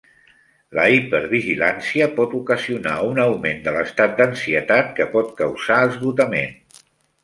La hipervigilància pot ocasionar un augment de l'estat d'ansietat que pot causar esgotament.